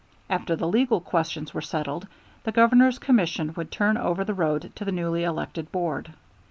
After the legal questions were settled, the Governor's commission would turn over the road to the newly elected board.